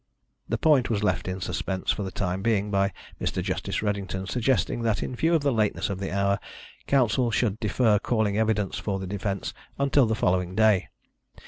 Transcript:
The point was left in suspense for the time being by Mr. Justice Redington suggesting that, in view of the lateness of the hour, Counsel should defer calling evidence for the defence until the following day.